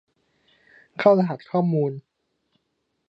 เข้ารหัสข้อมูล